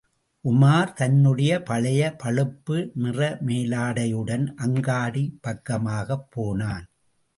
உமார் தன்னுடைய பழைய பழுப்பு நிறமேலாடையுடன் அங்காடிப் பக்கமாகப் போனான்.